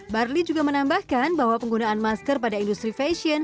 barli juga menambahkan bahwa penggunaan masker pada industri fashion